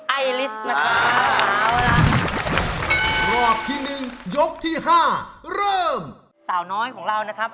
ไอลิสต์มาเช้าแล้วรอบที่หนึ่งยกที่ห้าเริ่มต่าวน้อยของเรานะครับ